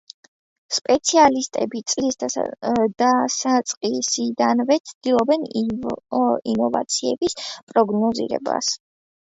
სპეციალისტები წლის დასაწყისიდანვე ცდილობენ ინოვაციების პროგნოზირებას.